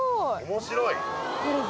面白い。